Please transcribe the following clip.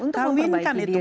untuk memperbaiki diri